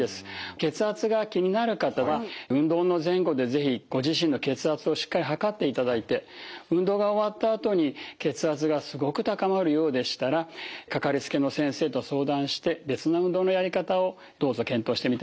血圧が気になる方は運動の前後で是非ご自身の血圧をしっかり測っていただいて運動が終わったあとに血圧がすごく高まるようでしたらかかりつけの先生と相談して別の運動のやり方をどうぞ検討してみてください。